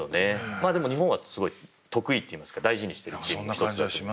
まあでも日本はすごい得意といいますか大事にしてるチームの一つだと思います。